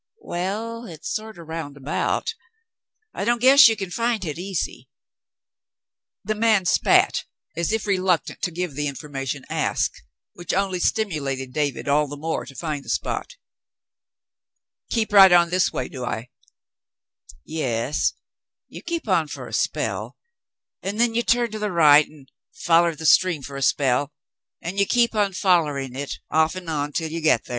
"Waal, hit's sorter round about. I don't guess ye c'n find hit easy." The man spat as if reluctant to give the information asked, which only stimulated David all the more to find the spot. "Keep right on this way, do 1?'^ "Yas, you keep on fer a spell, an' then you turn to th' right an' foller the stream fer a spell, an' you keep on follerin' hit off an' on till you git thar.